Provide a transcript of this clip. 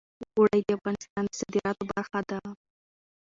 اوړي د افغانستان د صادراتو برخه ده.